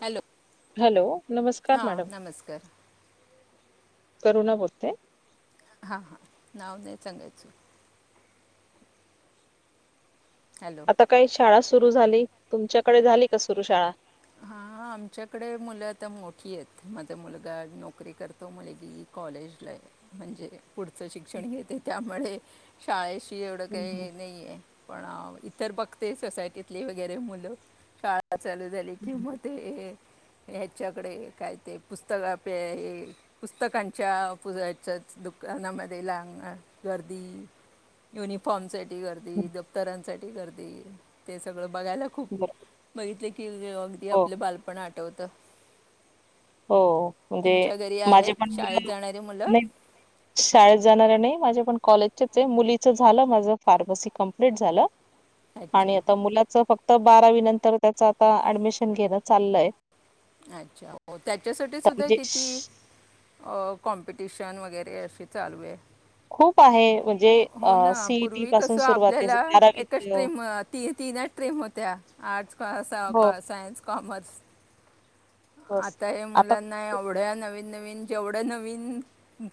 Hello. Hello. नमस्कार हा madam नमस्कार. करुणा बोलते. हा हा नाव नाही सांगायचं. हॅलो आता काय शाळा सुरू झाली तुमच्याकडे झाली का सुरु शाळा? हा आमच्याकडे मुलं आता मोठी आहेत माझा मुलगा नोकरी करतो मुलगी कॉलेजला म्हणजे पुढचं शिक्षण घेते त्यामुळे शाळे की एवढं हम्म काही नाही आहे. पण इतर बघते सोसायटीतले वगैरे मुलं शाळा चालू कि म हम्म ते ह्याच्याकडे काय ते पुस्तक पुस्तकांच्या पुच्या दुकानामध्ये लागणार गर्दी युनिफॉर्म सट गर्दी दप्तरांसाठी गर्दी ते सगळं बघायला खूप बघितले की अगदी हो आपलं बालपण आठवत. हो. म्हणजे माझे पण शाळेत जाणारी मुलं [unintelligible] शाळेत जाणार नाही माझ्या पण कॉलेज मुलीच झालं माझ फार्मसी कंप्लीट झालं. आणि अच्छा आता मुलाच फक्त बारावी नंतर त्याच आता ऍडमिशन घेणं चाललंय. अच्छा हो त्याच्यासाठी तर सुद्धा म्हणजे किती अ कॉम्पिटिशन वगैरे अशी चालू आहे. खूप आहे म्हणजे हो ना सीईटी पूर्वी पासून कस सुरुवात आहे आपल्याला एकच बारावीच स्ट्रीम ती तीनच ट्रीम होत्या आर्ट्स क असा हो क सायन्स. कॉमर्स बस आता हे आता मुलांना एवढ्या नवीन नवीन नवीन जेवढं नवीन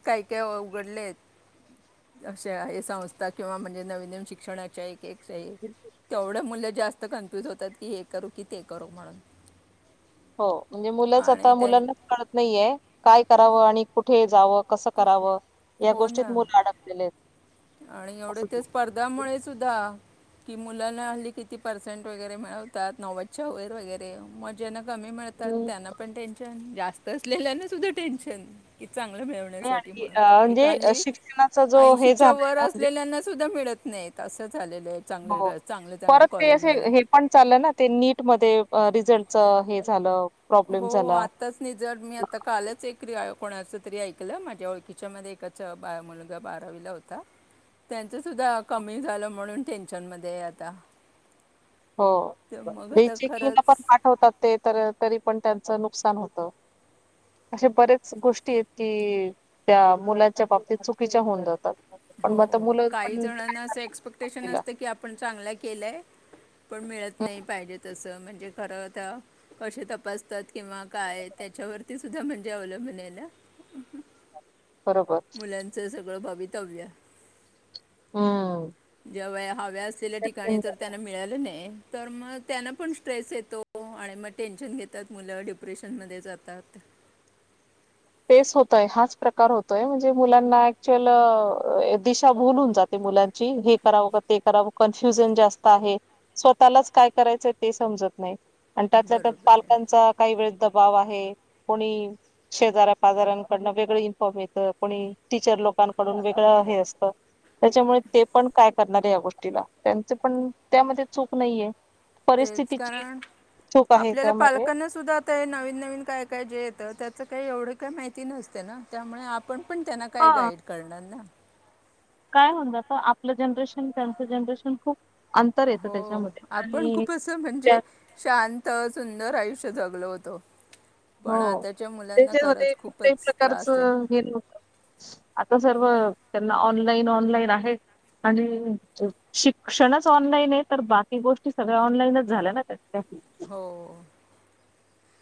काक्या उघडलेत अशा हे संस्था किंवा म्हणजे नवीन नवीन शिक्षणाच्या एक तेवढ्या मुळ जास्त कन्फ्युज होतात की हे करू की ते करू म्हणून. हो म्हणजे मुलंच आणि आता त्यां मुलांनाच कळत नाहीये काय करावं आणि कुठे जावं कसं करावं या हो गोष्टीत ना मुलं अडकलेले आहेत. आणि एवढे असं ते स्पर्धामुळे सुद्धा कि मुलाना हल्ली किती पर्सेंट वगैरे मिळवतात नव्वदच्या वैर वगैरे मजेनक कमी मिळतात हम्म त्यांना पण टेनशन जास्त असलेल्याना सुद्धा टेन्शन. चांगलं मिळवण्यासाठी आणि अ, म्हणून म्हणजे एकखाली शिक्षणाचा जो हे ऐंशीच्या झालाय वर ना म्हणजे असलेल्यांना सुद्धा मिळत नाही तसंच हो परत का असे कॉलेजमध्ये हे पण चाललं ना ते नीट मध्ये रिझल्टच हे झालं. प्रॉब्लेम हो हो झाला आताच नि जर मी आता कालच एकरी आयो ओळखीच्या मध्ये एकाच मुलगा बारावीला होता. त्यांच सुद्धा कमी झालं म्हणून टेन्शन मध्ये आता [unintelligible] हो तर मग आता बीटीटटी कलला पण खरंच पाठवतात ते तर पण त्यांचं नुकसान होत. त्या मुलाच्या बाबतीत अशा बऱ्याच गोष्टी चुकीच्या होऊन जातात. पण मग आता मुलं काही पण काय जणांना असं करतात एक्सपेक्टेशन तिला असत. की आपण चांगलं केलंय. पाहिजेत पण मिळत हं. नाही. खरं कसे तपासतात किंवा काय त्याच्यावरती सुद्धा म्हणजे अवलंबून असतात. म्ह ना [unintelligible] बरोबर मुलांचं सगळं भवितव्य [unintelligible] हम्म हव्या असले ठिकाणी त्यांना मिळालं नाही तर. त्यांना पण स्ट्रेस येतो हो आणि मग टेन्शन घेतात मुलं डिप्रेशन मध्येजातात [unintelligible] पेस होतय हाच प्रकार होतोय म्हणजे मुलांना ऍक्च्यअल दिशा भूलून जाते [unintelligible] क करा क्युत स्वतःलाच काय करायच सम [unintelligible] त्यात बरोबर आहे पालकांचा दबाव दबाव आहे. बाजारांकडुन वेगळा. इन्फॉर्म येतं कोणी टीचर लोकांकडून वेगळं हे असतं. त्याच्यामुळे ते पण काय करणार आहे. या गोष्टीलत्. याचा. [unintelligible] त्यामध्ये चूक नाहीये तेच परिस्थितीची कारण चूक आहे आपल्याला त्यामध्ये पालकांना सुद्धा आता हे नवीन नवीन काय काय जे येत त्या. चं काही एवढं काय माहिती नसते ना त्यामुळे आपण पण त्यांना काही हा गाईड करणार ना काय म्हणूनआपलं जनरेशन त्यांचं जनरेशन खूप अंतर येतं हो त्याच्यामध्ये आपण आणि खूप अस त्यात शांत सुंदर आयुष्य जगलो होतो हो पण आत्ताच्या त्याच्यामध्ये कुठल्याही प्रकारचं हे नत आता सर्व [unintelligible] त्यांना ऑनलाईन ऑनलाईन आहे. आणि शिक्षणच ऑनलाईन आहे. तर बाकी गोष्टी सगळ्या ऑनलाईनच झाल्या त्या हो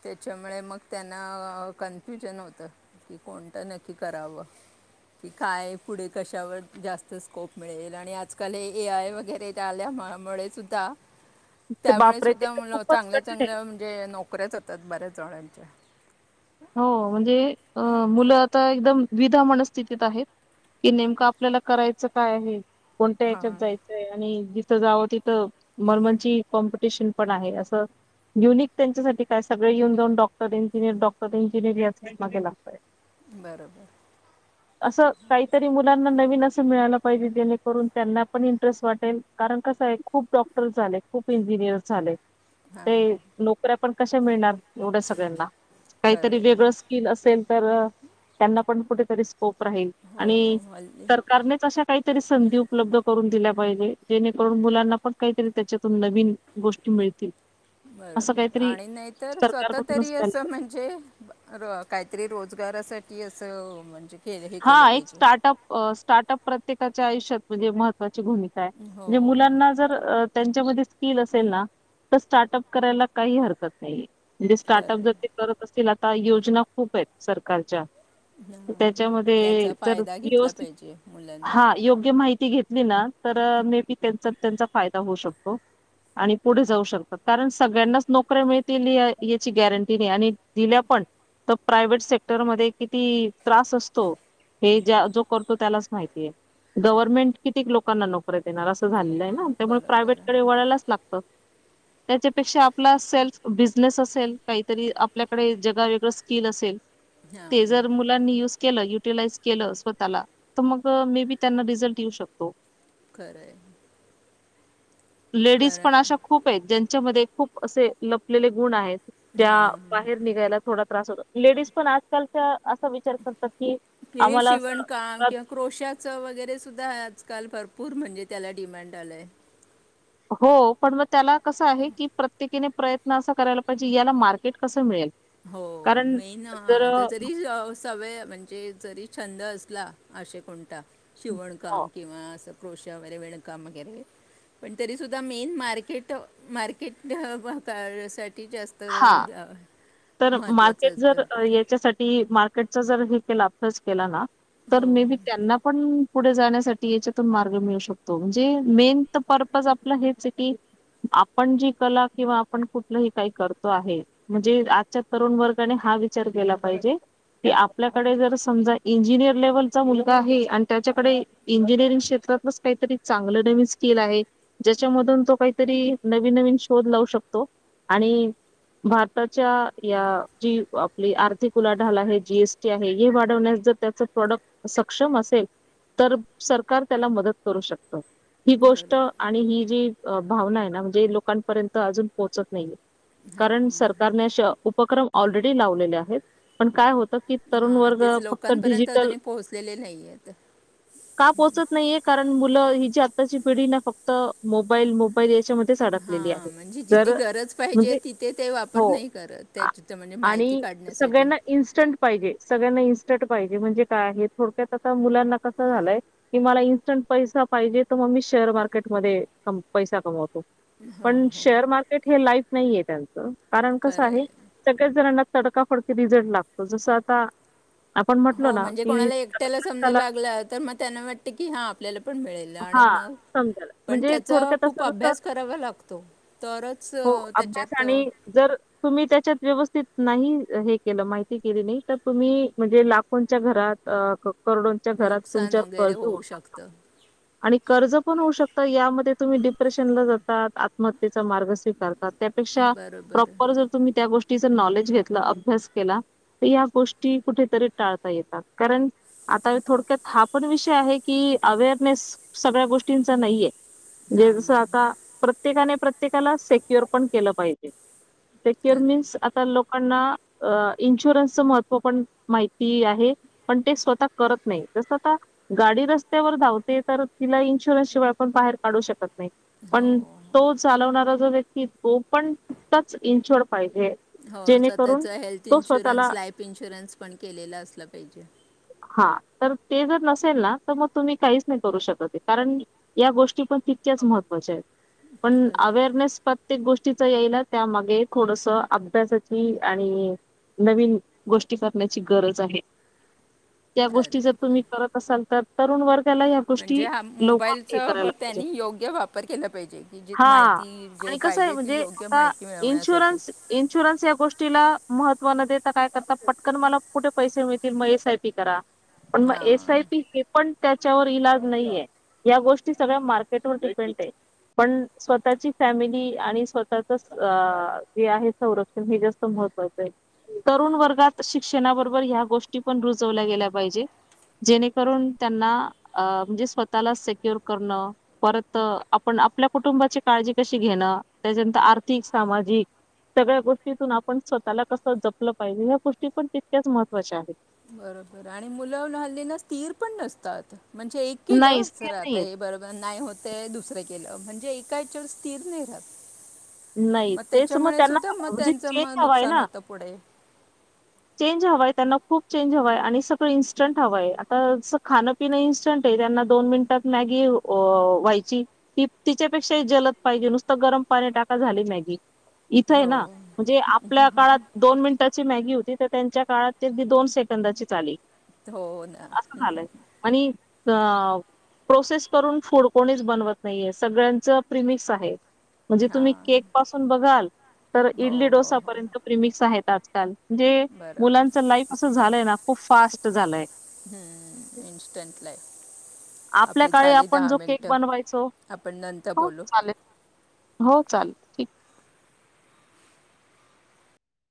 ते त्याच्यामुळे मग त्यांना कन्फ्युजन होतं की कोणतं नक्की करावं कि काय पुढे कशावर जास्त स्कोप मिळेल. आणि आजकाल ए आय वगैरे आल्या ते त्यामुळे बापरे ते सुद्धा तर खूपच चांगल्या कठीण आहे. चांगल्या म्हणजे. नोकऱ्याच होतात बऱ्याच जणांच्या हो म्हणजे मुलं तर दुधा मनस्थिती आहे. कि नेमकं आपल्याला करायचं काय आहे. कोणत्यात हां जायचंय. जिथे जाऊ तिथे कॉम्पिटिशन आहे. युनिक साठी काय सगळे डॉक्टर इंजिनियर यांच्या मागे लागले. बरोबर मुलांना नवीन असं काहीतरी [unintelligible] सगळ्यांना हां नोकऱ्या कशा मिळणार. खरं कुठेतरी आहे वेगळेच. स्केल असेल तर त्यांना काहीतरी स्कोप राहील. हो हल्ली संधी उपलब्ध करून दिल्या पाहिजे जेणेकरून मुलांना पण काहीतरी त्याच्यातून नवीन गोष्टी मिळतील. असं बरोबर काहीतरी आणि नाहीतर स्वतः सरकारकडूनच तरी व्हायला असं पाहिजे. म्हणजे [unintelligible] म्हणजे काहीतरी रोजगारासाठी असं काही हा एक स्टार्टअप स्टार्टअप प्रत्येकाच्या आयुष्यात म्हणजे महत्वाच [unintelligible] ण हो मुच्या मुलांमध्ये काहीतरी भूमिका आहे तर स्किल असेल तर स्टार्टअप करायला काही हरकत नाही. म्हणजे खरं स्टार्टअप जर आहे ते करत असतील सरकारी योजना तर हां त्याच्यामध्ये त्याचा जर फायदा घेतला व्यवथित पाहिजे मुलांनी हा योग्य माहिती घेत ली ना तर मे बी त्यांचा त्यांचा फायदा होऊ शकतो. आणि पुढे जाऊ शकतात कारण सगळ्यांनाच नोकऱ्या मिळतील याची गॅरंटी नाही आणि दिल्या पण तर प्रायव्हेट सेक्टरमध्ये किती त्रास असतो. हे ज्या जो करतो त्यालाच माहितीये गव्हर्नमेंट किती लोकांना नोकऱ्या देणार असं झालेलंय. त्यामुळे प्रायव्हेट बरोबर कडे आणि वळायलाच लागतं. त्याच्यापेक्षा आपला सेल्फ बिझनेस असेल काहीतरी आपल्याकडे जगावेगळं स्किल असेल हा. ते जर मुलांनी युज केलं युटीलाइज केलं स्वतःला तर मग मे बी त्यांना रिझल्ट येऊ शकतो. खरं आहे लेडीज कारण पण अशा खूप आहेत ज्यांच्यामध्ये खूप असे लपलेले गुण आहेत. ज्या हां बाहेर निघायला थोडा त्रास होतो लेडीज पण आजकालच्या असा विचार करतात की कि हे आम्हाला असं शिवणकाम घरात किंवा क्रोशाचं वगैरे सुद्धा आजकाल भरपूर भरपूर म्हणजे त्याला डिमांड आलंय. हो पण मग त्याला कसं आहे की प्रत्येकीने प्रयत्न असा करायला पाहिजे याला मार्केट कसं मिळेल. हो कारण मेन जर जरी सवय म्हणजे जरी छंद असेल ला अशे कोणता शिवणकाम किंवा असं क्रोश वगैरे विणकाम वगैरे पण तरी सुद्धा मेन मार्केट मार्केट [unintelligible] साठी जास्त हा तर मार्केट महत्त्वाचं असतं जर याच्यासाठी मार्केटचा जर हे केला अभ्यास केला ना तर हो मे बी त्यांना पण पुढे जाण्यासाठी याच्यातून मार्ग मिळू शकतो म्हणजे मेन तर पर्पज आपलं हेचय की आपण जी कला किंवा आपण कुठलंही काही करतो आहे म्हणजे च्या तरुण वर्गाने हा विचार केला पाहिजे. की आपल्याकडे जर समजा इंजिनिअर लेव्हलचा मुलगा आहे आणि त्याच्याकडे इंजिनिअरिंग क्षेत्र काहीतरी चांगलं नवीन स्किल आहे ज्याच्यामधून तो काहीतरी नवीन नवीन शोध लावू शकतो. आणि भारताच्या या जी आपली आर्थिक उलाढाल आहे जीएसटी आहे हे वाढवण्यास जर त्याच प्रॉडक्ट सक्षम असेल तर सरकार त्याला मदत करू शकतं. ही गोष्ट बरोबर आणि ही जी भावना आहे ना म्हणजे लोकांपर्यंत अजून पोहोचत नाहीये. कारण हां सरकारनेे उपक्रम ऑलरेडी लावलेले आहेत पण काय होत. हा तेच लोकांपर्यंत अजूनही पोहोचलेले नाहीयेत. का पोहोचत नाहीये? कारण मुलं हि जी आताची पिढी ना फक्त मोबाईल मोबाईल याच्यामध्ये हा म्हणजे जिथे गरज पाहिजे म्हणजे तिथे ते वापर हो नाही करत- आ त्याची तिथ म्हणजे माहिती आणि काढण्यासाठी सगळ्यांना इन्स्टंट पाहीजे सगळ्यांना इन्स्टंट पाहीजे म्हणजे काय थोड्यात आता मुलांना कसं झालंय की मला पैसा पाहिजे तर मग मी शेअर मार्केट मधे पैसा कमवतो. हो पण हो शेअर मार्केट हे लाईफ नाहीये त्यांचं कारण कसं आहे. सगळ्याच जणनां तडकाफडकी रिझल्ट लागतो. जस आता आपण म्हटलो हो ना म्हणजे की कोणाला एकट्याला समजा माणसाला लागला तर मग त्यांना वाटत की हा आपल्याला पण मिळेल. आणि हा मग समजायला पण म्हणजे त्याचा थोडक्यात खूप असं जसं अभ्यास करावा लागतो तरच हो त्या अभ्यास आणि जर तुम्ही त्याच्या व्यव स्थीत नाही हे केलं माहिती केली नाही तर तुम्ही म्हणजे लाखोंच्या घरात अं करोडोच्या घरात नुकसान तुमच्यावर वगैरे कर्जत होवू होऊ शकत. शकतं कर्ज पण होऊ शकत यामध्ये तुम्ही डिप्रेशनला जातात आत्महत्येचा मार्ग स्वीकारतात. त्यापेक्षा बरोबर प्रॉपर जर तुम्ही त्या गोष्टीं नॉलेज घेतलं अभ्यास केला तर या गोष्टी कुठेतरी टाळता येतात. कारण आता थोडक्यात हा पण विषय आहे की अवेअर स सगळ्या गोष्टीचा नाहीय म्हणजे हां जस आता प्रत्येकाने प्रत्ये प्रत्येकाला सेक्युर पण केल पाहीजे सक्युर खरं आहे. मीन्स आता लोक लकना इन्शुरन्सच महत्त्व पण माहिती आहे पण ते स्वतः करत नाहीत तस आता गाडी रस्त्यावर धावत तर तिला इन्शुन शिवायण बाहेर काढू शकत नाही हो पण तो चालवणारा जर व्य तो पण तकाच इंचड पाहिजे. हो जेणेकरून स्वतःच हेल्थ तो स्वतःला इन्शुरन्स लाईफ इन्शुरन्स पण केलेलं असलं पाहिजे. हा तर ते जर नसेल ना तर मग तुम्ही काही नाही करू शकत कारण या गोष्टी पण तितक्याच महत्त्वाच्या आहेत. पण खरं आहे, अवेअरनेस प्रत्येक गोष्टी चीच येईल त्यामागे थोडंसं अभ्यासाची आणि नवीन गोष्टी करण्याची गरज आहे. त्या खरं गोष्टी आहे जर बरं. तुम्ही करत असाल तर तरुण वर्ग म्हणजे हाम् मोबाईलचं ब पाहिजे त्यांनी योग्य वापर केला पाहिजे जी हां. माहिती जे आणि कसं आहे पाहिजे ती म्हणजे योग्य आता माहिती मिळवण्यासाठी इन्शुरन्स इन्शुरन्स या गोष्टीला महत्व न देता काय करता पटकन मला कुठे पैसे मिळतील म एस आय पी करा. पण म एस आय हां पी हे पण त्या वर इलाज नईये, या गोष्टी सगळ्या मार्केट व डिपेंड आएत. पण स्वतःची फॅमिली आणि स्वतःच स् अ जे आहे संरक्षण हे जास्त म्ह हत्वाचं आय. तरुण वर्गात शिक्षणाबरोबर ह्या गोष्टी पण रुजवल्या गेल्या पाहिजे. जेणेकरून त्यांना अ म्हणजे स्वतःला सेक्युर करणं, परत आपण आपल्या कुटुंबाची काळजी कशी घे ना त्याज्यानंत आर्थिक सामाजिक सगळ्या गोष्टीतून आपण स्वतःला कस जपलं पाहिजे, ह्या गोष्टी पण तितक्याच महत्त्वाच्या आहेत. बरोबर आणि मुलं न्हाल्ली ना स्थिर पण नसतात. म्हणजे एक नाही, केलं स्थिर सर आता नाहीयेत. हे बरोबर नाही होते दुसरे केलं म्हणजे एका हेच्यावर स्थिर नही राहत. नाही मग तेच म त्याच्यामुळे त्यांना सुद्धा मग [unintelligible] जे त्यांचं चेंज मग हवाय नुकसान ना. होतं पुढे चेंज हवाय त्यांना खूप चेंज हवाय. आणि सगळं इन्स्टंट हवंय. आता स खानं पिनं इन्स्टंट आय. त्यांना दोन मिनिट मॅगी व्हायची ती तीच्यापेक्षा जलद पाहिजे नुस्तं गरम पाणी टाक् झाली मॅगी. इथं आय हो ना म्हणजे आ पल्या काळात दोन मिनिटाची मॅगी होती, त त्यांच्या काळात ते अदी दोन सेकंदाचीच आली. त् हो ना. अं प्रोसेस करून फूड कोणीच बनवत नाहीये, सगळ्यांचं प्रिमिक्स आहे. म्हणजे तुम्ही हां केक पासून बघाल तर हो इडली हो डोसा हो पर्यंत प्रिमिक्स आहेत आजकाल. म्हणजे बरोबर मुलांचं लाईफ असं झालंय ना खूप फास्ट झालंय हम्म इन्स्टंट लाई आपल्या काळी आपण जो केक बनवायचो. आपण नंतर हं बोलू चालेल. हो चाल ठीक.